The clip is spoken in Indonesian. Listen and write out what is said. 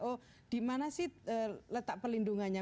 oh dimana sih letak perlindungannya